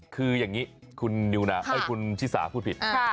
คืออย่างนี้คุณชิสาพูดผิด